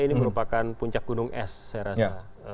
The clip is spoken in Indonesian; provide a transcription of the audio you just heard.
ini merupakan puncak gunung es saya rasa